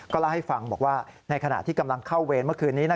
เล่าให้ฟังบอกว่าในขณะที่กำลังเข้าเวรเมื่อคืนนี้